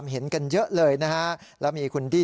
ค้าเป็นผู้ชายชาวเมียนมา